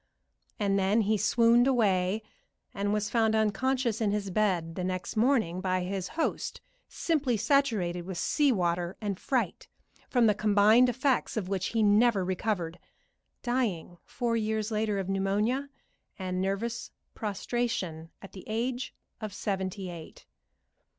And then he swooned away, and was found unconscious in his bed the next morning by his host, simply saturated with sea water and fright, from the combined effects of which he never recovered, dying four years later of pneumonia and nervous prostration at the age of seventy eight.